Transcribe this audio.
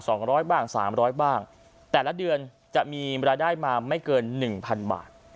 สองร้อยบ้างสามร้อยบ้างแต่ละเดือนจะมีรายได้มาไม่เกินหนึ่งพันบาท